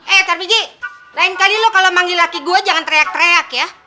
eh carbiji lain kali lu kalo manggil laki gua jangan teriak teriak ya